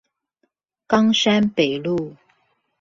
岡山北路